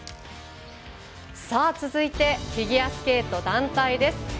さあ、続いてフィギュアスケート団体です。